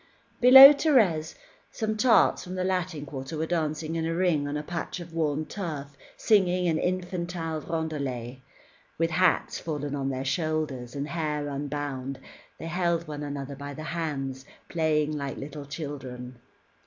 Below Thérèse, some tarts from the Latin Quarter were dancing in a ring on a patch of worn turf singing an infantine roundelay. With hats fallen on their shoulders, and hair unbound, they held one another by the hands, playing like little children.